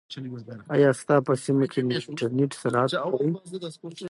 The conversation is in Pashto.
ایا ستا په سیمه کې د انټرنیټ سرعت ښه دی؟